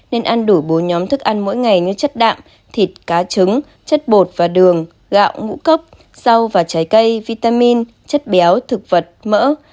nên ăn đủ bốn nhóm thức ăn mỗi ngày như chất đạm thịt cá trứng chất bột và đường gạo ngũ cốc rau và trái cây vitamin chất béo thực vật mỡ